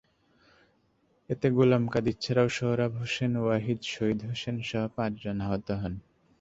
এতে গোলাম কাদির ছাড়াও সোহরাব হোসেন, ওয়াহিদ, শহীদ হোসেনসহ পাঁচজন আহত হন।